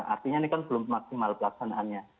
artinya ini kan belum maksimal pelaksanaannya